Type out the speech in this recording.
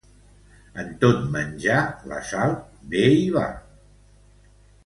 En tot menjar la sal bé hi va.